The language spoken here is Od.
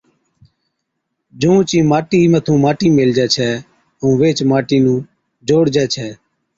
جھُونچ ئِي ماٽِي مٿُون ماٽِي ميلهجَي ڇَي ائُون ويهچ ماٽِي نُون جوڙجَي ڇَي